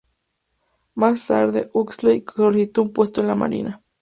Más tarde, Huxley solicitó un puesto en la marina.